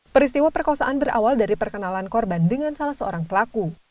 peristiwa perkosaan berawal dari perkenalan korban dengan salah seorang pelaku